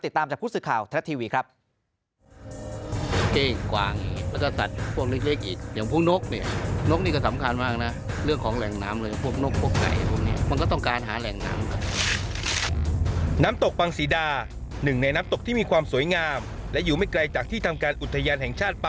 ติดตามจากพุศุข่าวทะเละทีวีครับ